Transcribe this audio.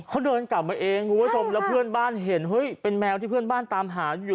เขาเดินกลับมาเองคุณผู้ชมแล้วเพื่อนบ้านเห็นเฮ้ยเป็นแมวที่เพื่อนบ้านตามหาอยู่